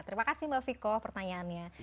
terima kasih mbak viko pertanyaannya